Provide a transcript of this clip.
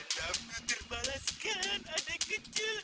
tetap terbalas kan adik kecil